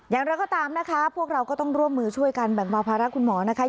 อย่างไรก็ตามนะคะพวกเราก็ต้องร่วมมือช่วยกันแบ่งเบาภาระคุณหมอนะคะ